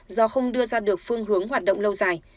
do không đưa ra được phương hướng hoạt động lâu dài